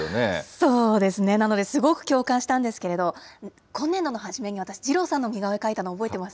そうですね、なので、すごく共感したんですけれど、今年度の初めに私、二郎さんの似顔絵描いたの覚えてます？